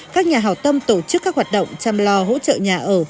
các nhà hào tâm tổ chức các hoạt động chăm lo hỗ trợ nhà ở